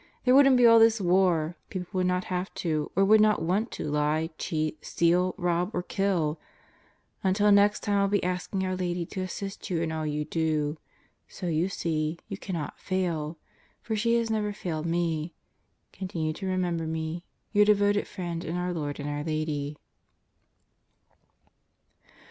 There wouldn't be all this war; people would not have to, or would not want to lie, cheat, steal, rob, or kill. Into the Hands of God 183 Until next time 111 be asking our Lady to assist you in all you do. So you see, you cannot fail; for she has never failed me! Continue to remember me. Your devoted friend in our Lord and our Lady